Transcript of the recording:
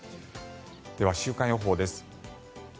では、週間予報です。